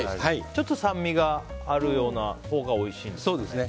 ちょっと酸味があるほうがおいしいんですね。